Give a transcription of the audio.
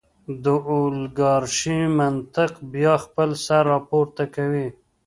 د اولیګارشۍ منطق بیا خپل سر راپورته کوي.